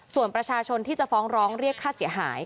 ส่วนประชาชนที่จะฟ้องร้องเรียกค่าเสียหาย